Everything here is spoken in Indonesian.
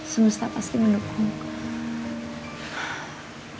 semesta pasti mendukung